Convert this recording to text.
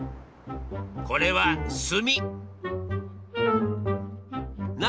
これは炭。